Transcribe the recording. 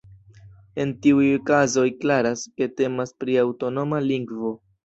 En tiuj kazoj klaras, ke temas pri aŭtonoma lingvo.